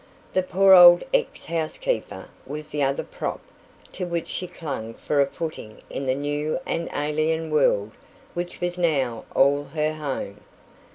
The poor old ex housekeeper was the other prop to which she clung for a footing in the new and alien world which was now all her home.